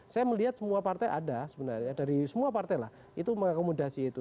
saya melihat semua partai ada sebenarnya dari semua partai lah itu mengakomodasi itu